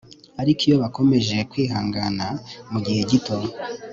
Ariko iyo bakomeje kwihangana mu gihe gito